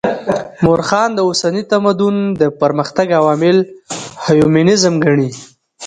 مؤرخان د اوسني تمدن د پرمختګ عوامل هیومنيزم ګڼي.